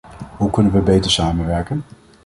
Hoe kunnen we beter samenwerken?